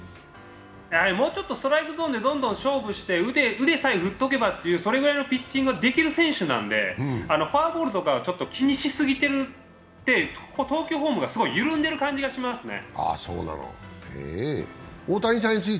もうちょっとストライクゾーンでどんどん勝負して、腕さえ振っておけば、それぐらいのピッチングはできる選手なのでフォアボールとかを気にしすぎて投球フォームが緩んでいる感じがしますね。